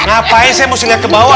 ngapain saya mesti lihat ke bawah